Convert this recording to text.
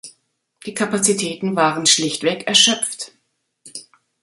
Die Kapazitäten waren schlichtweg erschöpft.